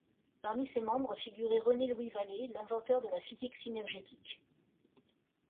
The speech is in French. Parmi ses membres figurait René-Louis Vallée, l'inventeur de la Physique synergétique.